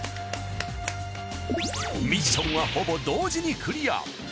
ミッションはほぼ同時にクリア。